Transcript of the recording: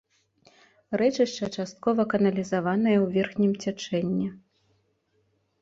Рэчышча часткова каналізаванае ў верхнім цячэнні.